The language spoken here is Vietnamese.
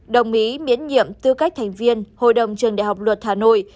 đồng ý miễn nhiệm tư cách thành viên hội đồng trường đại học luật hà nội